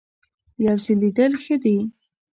یو ځل لیدل ښه دي .